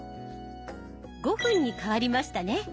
５分に変わりましたね。